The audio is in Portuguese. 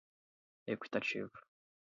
equitativo